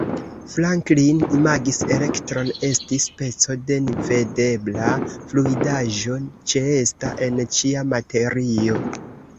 Franklin imagis elektron esti speco de nevidebla fluidaĵo ĉeesta en ĉia materio.